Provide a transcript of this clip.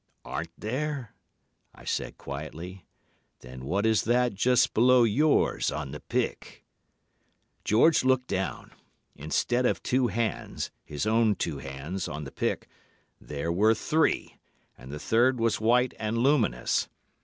"'Aren't there?' I said quietly. 'Then what is that just below yours on the pick.' "George looked down. Instead of two hands—his own two hands—on the pick, there were three, and the third was white and luminous.